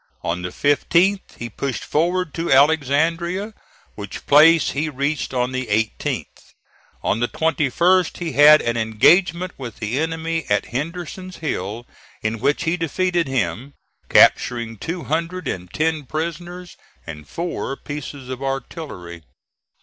On the 15th he pushed forward to Alexandria, which place he reached on the 18th. On the 21st he had an engagement with the enemy at Henderson's Hill, in which he defeated him, capturing two hundred and ten prisoners and four pieces of artillery.